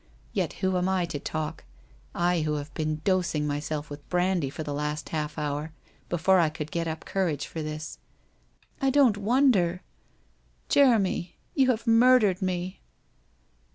Yet who am I to talk, I who have been dosing myself with brandy for the last half hour before I could get up courage for Una!' ' I don't wonder. ... Jeremy, vou have murdered me!'